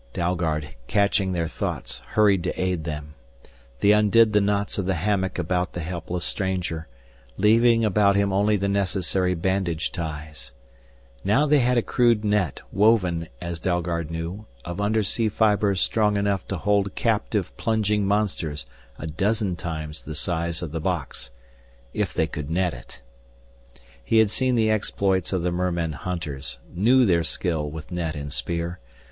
Dalgard, catching their thoughts, hurried to aid them. They undid the knots of the hammock about the helpless stranger, leaving about him only the necessary bandage ties. Now they had a crude net, woven, as Dalgard knew, of undersea fibers strong enough to hold captive plunging monsters a dozen times the size of the box. If they could net it! He had seen the exploits of the mermen hunters, knew their skill with net and spear.